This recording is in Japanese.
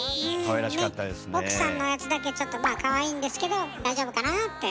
奥さんのやつだけちょっとまあかわいいんですけど大丈夫かなって。